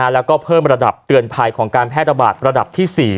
แล้วก็เพิ่มระดับเตือนภัยของการแพร่ระบาดระดับที่๔